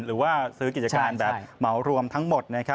หรือว่าซื้อกิจการแบบเหมารวมทั้งหมด